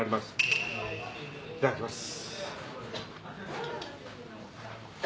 いただきます。